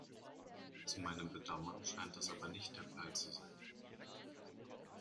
Zu meinem Bedauern scheint das aber nicht der Fall zu sein.